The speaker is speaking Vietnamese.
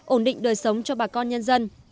ổn định đời sống cho bà con nhân dân